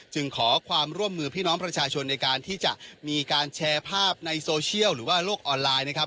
ขอความร่วมมือพี่น้องประชาชนในการที่จะมีการแชร์ภาพในโซเชียลหรือว่าโลกออนไลน์นะครับ